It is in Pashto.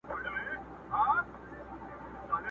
څه د خانانو، عزیزانو څه دربار مېلمانه،